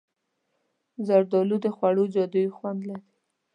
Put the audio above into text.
زردالو د خوړو جادويي خوند لري.